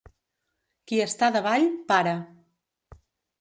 Qui està davall, para.